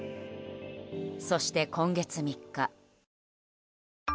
そして、今月３日。